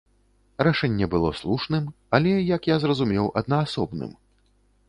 Рашэнне было слушным, але, як я зразумеў, аднаасобным.